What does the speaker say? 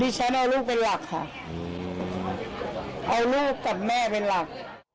ฉันเอาลูกเป็นหลักค่ะเอาลูกกับแม่เป็นหลัก